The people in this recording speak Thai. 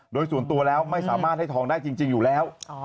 โดยส่วนตัวแล้วไม่สามารถให้ทองได้จริงอยู่แล้ว